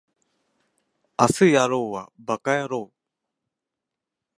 明日やろうはバカやろう